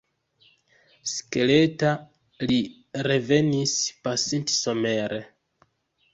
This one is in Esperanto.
Skeleta li revenis pasintsomere.